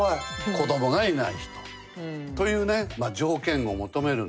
子どもがいない人。というね条件を求めるんですって。